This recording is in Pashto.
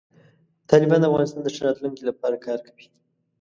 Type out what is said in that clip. طالبان د افغانستان د ښه راتلونکي لپاره کار کوي.